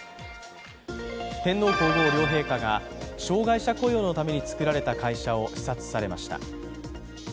天皇皇后両陛下が障害者雇用のために作られた会社を視察されました。